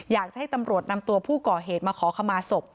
อยากจะให้ตำรวจนำตัวผู้ก่อเหตุมาขอขมาศพ